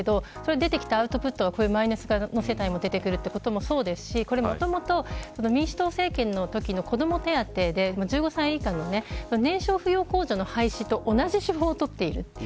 出てきたアウトプットがマイナスの世帯も出てくるということもそうですしもともと、民主党政権のときこども手当で、１５歳以下の年少扶養控除の廃止と同じ手法をとっている。